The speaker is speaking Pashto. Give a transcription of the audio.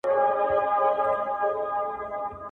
په څپلیو کي یې پښې یخی کېدلې -